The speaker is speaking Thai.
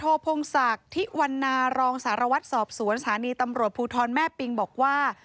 พงศักดิ์ที่วันนารองสารวัตรสอบสวนสถานีตำรวจภูทรแม่ปิงบอกว่า